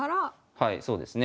はいそうですね。